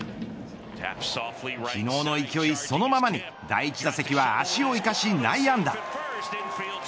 昨日の勢いそのままに第１打席は足を生かし内野安打。